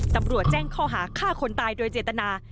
ตำรวจแจ้งข้อหาฆ่าคนตายโดยเจตนา